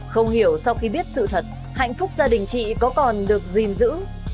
không hiểu sau khi biết sự thật hạnh phúc gia đình chị có còn được gìn giữ